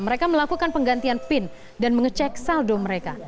mereka melakukan penggantian pin dan mengecek saldo mereka